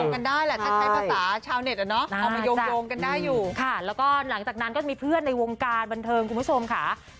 มันก็ควรจะโยงกันได้แหละถ้าใช้ภาษาชาวเน็ต